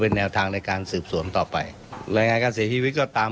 เป็นตามที่คุณพ่อเขาตั้งข้อสังเกตไว้ไหมครับ